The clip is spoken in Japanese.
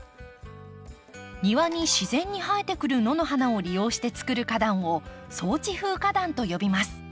庭に自然に生えてくる野の花を利用して作る花壇を草地風花壇と呼びます。